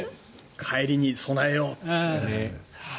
帰りに備えようというね。